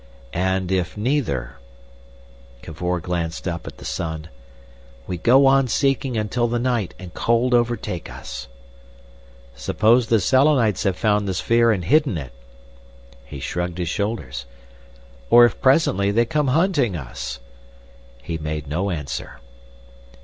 "And if neither?" Cavor glanced up at the sun. "We go on seeking until the night and cold overtake us." "Suppose the Selenites have found the sphere and hidden it?" He shrugged his shoulders. "Or if presently they come hunting us?" He made no answer.